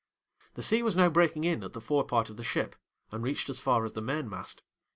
'The sea was now breaking in at the fore part of the ship, and reached as far as the mainmast.